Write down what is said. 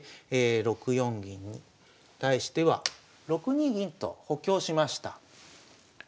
６四銀に対しては６二銀と補強しました。